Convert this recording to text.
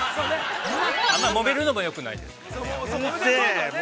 あんまりもめるのもよくないですからね。